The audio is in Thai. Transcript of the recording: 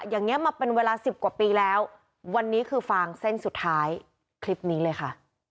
อย่างนี้มาเป็นเวลาสิบกว่าปีแล้ววันนี้คือฟางเส้นสุดท้ายคลิปนี้เลยค่ะ